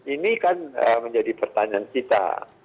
ini kan menjadi pertanyaan kita